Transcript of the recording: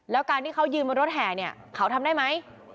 แล้วการที่เขายืนบนรถแห่เนี่ยเขาทำได้ไหม